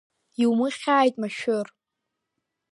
Иумыхьааит машәыр…